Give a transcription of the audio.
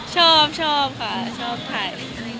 ชอบชอบค่ะชอบถ่าย